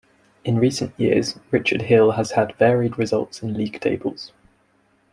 In recent years Richard Hill has had varied results in League Tables.